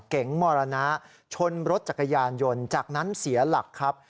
เก๋งมรณะชนรถจักรยานยนต์จากนั้นเสียหลักครับ